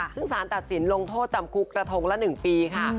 ซึ่งสารตัดสินลงโทษจำคุกกระทงละ๑ปีค่ะ